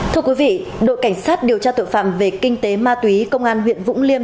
thưa quý vị đội cảnh sát điều tra tội phạm về kinh tế ma túy công an huyện vũng liêm